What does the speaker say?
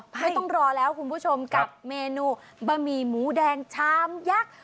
ไม่ต้องรอแล้วคุณผู้ชมกับเมนูบะหมี่หมูแดงชามยักษ์